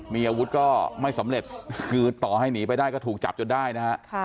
มีอาวุธก็ไม่สำเร็จคือต่อให้หนีไปได้ก็ถูกจับจนได้นะฮะ